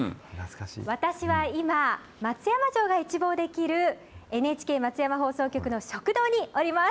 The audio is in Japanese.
私は今、松山城が一望できる、ＮＨＫ松山放送局の食堂におります。